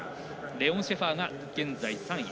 レオン・シェファーが現在、３位。